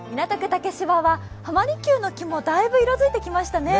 竹芝は浜離宮の木もだいぶ色づいてきましたね。